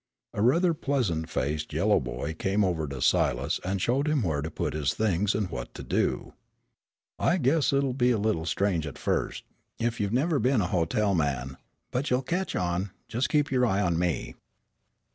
A rather pleasant faced yellow boy came over to Silas and showed him where to put his things and what to do. "I guess it'll be a little strange at first, if you've never been a hotel man, but you'll ketch on. Just you keep your eye on me."